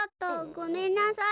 ごめんなさい。